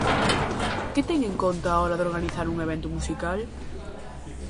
Que ten en conta á hora de organizar un evento musical?